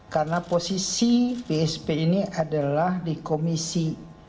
karena posisi bsp ini adalah di komisi enam